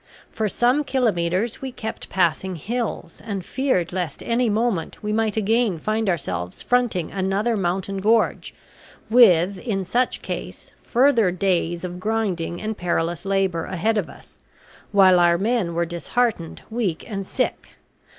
For some kilometres we kept passing hills, and feared lest at any moment we might again find ourselves fronting another mountain gorge; with, in such case, further days of grinding and perilous labor ahead of us, while our men were disheartened, weak, and sick.